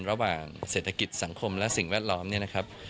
ระหว่างเศรษฐกิจสังคมและสิ่งแวดล้อมเนี่ยนะครับ